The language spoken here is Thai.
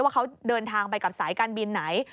ว่าเขาเดินทางไปกับสายการบินไหน